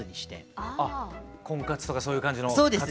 あっ婚活とかそういう感じの「活」。